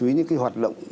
tuyến những cái hoạt động